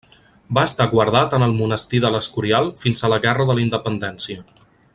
Va estar guardat en el monestir de l'Escorial fins a la Guerra de la Independència.